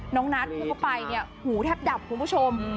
น้องนัทพูดเข้าไปเนี่ยหูแทบดับคุณผู้ชม